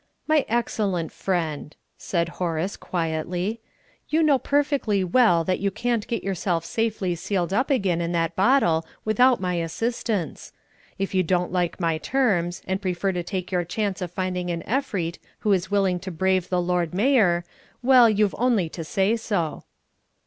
"My excellent friend," said Horace quietly, "you know perfectly well that you can't get yourself safely sealed up again in that bottle without my assistance. If you don't like my terms, and prefer to take your chance of finding an Efreet who is willing to brave the Lord Mayor, well, you've only to say so."